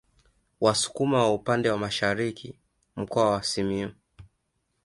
Wasukuma wa upande wa Masharini Mkoa wa Simiyu